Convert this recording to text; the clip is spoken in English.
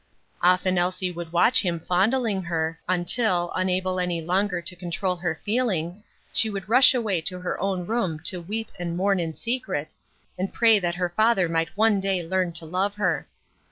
Often Elsie would watch him fondling her, until, unable any longer to control her feelings, she would rush away to her own room to weep and mourn in secret, and pray that her father might some day learn to love her.